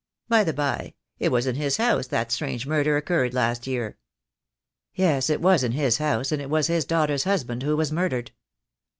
By the bye, it was in his house that strange murder occurred last year." "Yes, it was in his house, and it was his daughter's husband who was murdered."